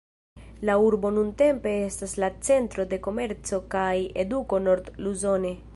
La urbo nuntempe estas la centro de komerco kaj eduko nord-Luzone.